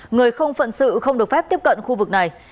người không phận sự không được phép tiếp cận khu vực này